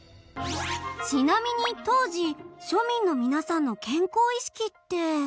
ちなみに当時庶民の皆さんの健康意識って。